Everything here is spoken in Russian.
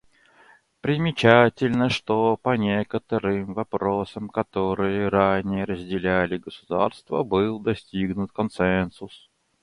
Примечательно, что по некоторым вопросам, которые ранее разделяли государства, был достигнут консенсус.